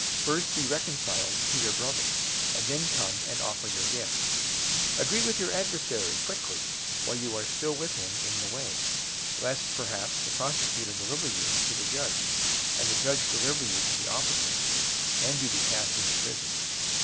First be reconciled to your brother, and then come and offer your gift. 005:025 Agree with your adversary quickly, while you are with him in the way; lest perhaps the prosecutor deliver you to the judge, and the judge deliver you to the officer, and you be cast into prison.